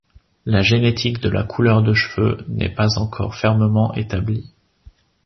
La génétique de la couleur de cheveux n'est pas encore fermement établie.